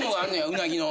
うなぎの。